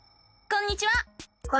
こんにちは。